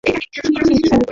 ছি ছি ছি।